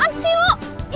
aduh sih lu